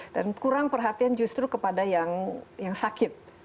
dan kurang perhatian justru kepada yang sakit